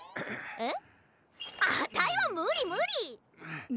えっ！？